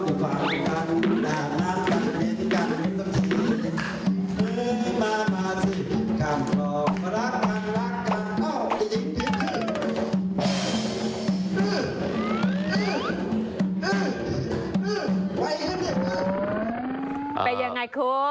เป็นยังไงคุณ